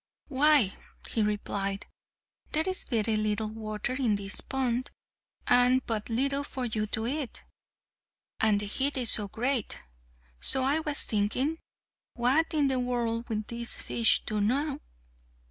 "Why," he replied; "there is very little water in this pond, and but little for you to eat; and the heat is so great! So I was thinking, 'What in the world will these fish do now?'"